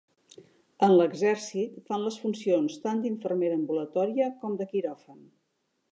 En l'exèrcit fan les funcions tant d'infermera ambulatòria com de quiròfan.